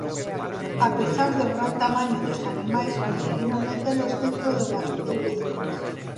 A pesar do gran tamaño dos animais, conseguiron metelos dentro do maleteiro do coche.